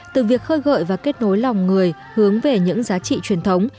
từ việc khơi gợi và kết nối lòng người hướng về những giá trị truyền thống